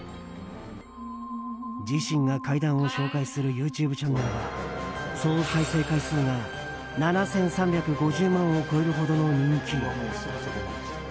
自身が怪談を紹介するＹｏｕＴｕｂｅチャンネルは総再生回数が７３５０万を超えるほどの人気。